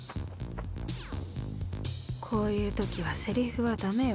こういうときはセリフはだめよ。